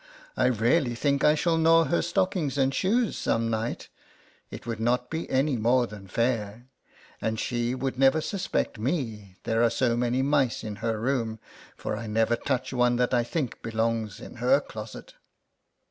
I really think I shall gnaw her stockings and shoes some night. It would not be any more than fair; and she would never suspect me, there are so many mice in her room, for I never touch one that I think belongs in her closet. 52 LETTERS FROM A CAT.